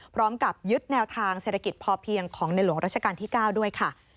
พร้อมกับยึดแนวทางเศรษฐกิจพอเพียงของในหลวงราชการที่๙ด้วยค่ะ